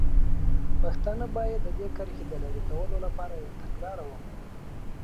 پښتانه باید د دې کرښې د لرې کولو لپاره یوه تګلاره ومومي.